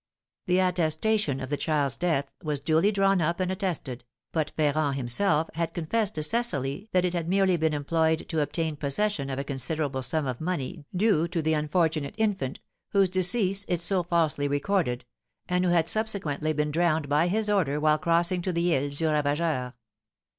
The attestation of the child's death was duly drawn up and attested, but Ferrand himself had confessed to Cecily that it had merely been employed to obtain possession of a considerable sum of money due to the unfortunate infant, whose decease it so falsely recorded, and who had subsequently been drowned by his order while crossing to the Isle du Ravageur.